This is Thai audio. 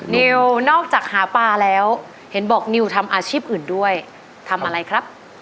นิวนอกจากหาปลาแล้วเห็นบอกนิวทำอาชีพอื่นด้วยทำอะไรครับ